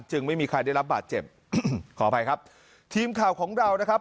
ไม่มีใครได้รับบาดเจ็บอืมขออภัยครับทีมข่าวของเรานะครับ